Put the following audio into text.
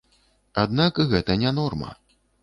Аднак гэта не норма.